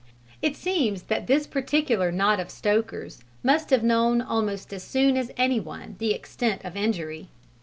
It seems that this particular knot of stokers must have known almost as soon as any one of the extent of injury.